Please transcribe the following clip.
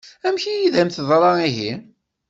Amek i d-am-teḍṛa ihi?